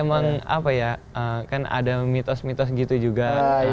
kurang tahu juga sih tapi emang apa ya kan ada mitos mitos gitu juga